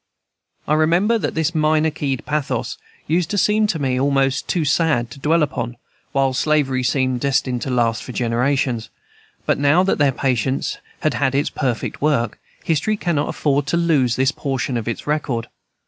I remember that this minor keyed pathos used to seem to me almost too sad to dwell upon, while slavery seemed destined to last for generations; but now that their patience has had its perfect work, history cannot afford to lose this portion of its record.